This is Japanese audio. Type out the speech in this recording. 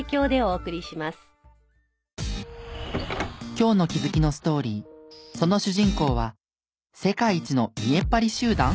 今日の気づきのストーリーその主人公は世界一の見栄っ張り集団？